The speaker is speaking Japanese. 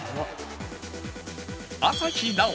朝日奈央